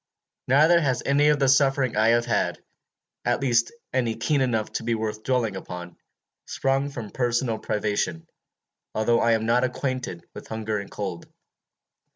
Neither has any of the suffering I have had at least any keen enough to be worth dwelling upon sprung from personal privation, although I am not unacquainted with hunger and cold.